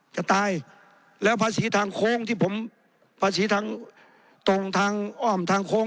จะตายแล้วภาษีทางโค้งที่ผมภาษีทางตรงทางอ้อมทางโค้ง